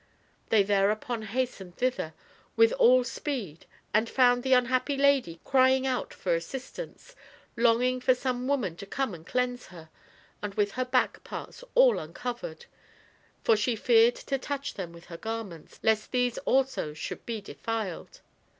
They thereupon hastened thither with all speed, and found the unhappy lady crying out for assistance, longing for some woman to come and cleanse her, and with her back parts all uncovered, for she feared to touch them with her garments lest these also should be defiled.